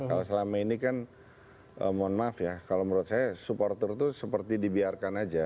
kalau selama ini kan mohon maaf ya kalau menurut saya supporter itu seperti dibiarkan aja